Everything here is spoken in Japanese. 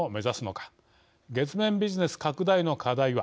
月面ビジネス拡大の課題は。